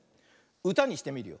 うたにしてみるよ。